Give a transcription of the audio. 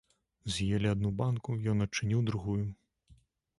З'елі адну банку, ён адчыніў другую.